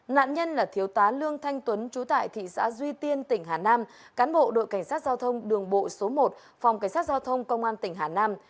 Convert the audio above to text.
nạn nhân là thiếu tá lương thanh tuấn chú tại thị xã duy tiên tỉnh hà nam cán bộ đội cảnh sát giao thông đường bộ số một phòng cảnh sát giao thông công an tỉnh hà nam